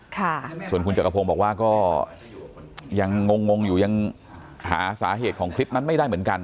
ค่ะส่วนคุณจักรพงศ์บอกว่าก็ยังงงงงอยู่ยังหาสาเหตุของคลิปนั้นไม่ได้เหมือนกัน